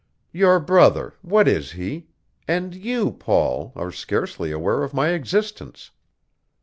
Your brother, what is he? And you, Paul, are scarcely aware of my existence.